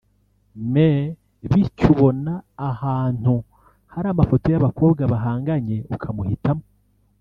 me/ bityo ubona ahantu hari amafoto y’abakobwa bahanganye ukamuhitamo